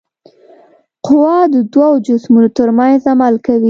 قوه د دوو جسمونو ترمنځ عمل کوي.